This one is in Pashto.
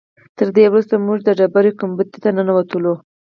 تر دې وروسته موږ د ډبرې ګنبدې ته ننوتلو.